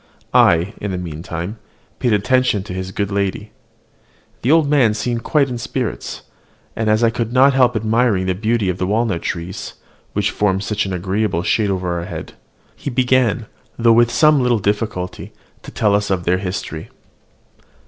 I, in the meantime, paid attention to his good lady. The old man seemed quite in spirits; and as I could not help admiring the beauty of the walnut trees, which formed such an agreeable shade over our heads, he began, though with some little difficulty, to tell us their history.